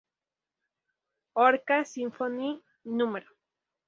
Orca Symphony No.